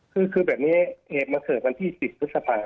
คือแบบนี้เหตุมันเกิดวันที่๑๐พฤษภา